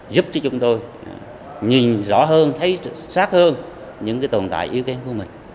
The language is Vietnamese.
giúp cho chúng tôi nhìn rõ hơn thấy sát hơn những tồn tại ý kiến của mình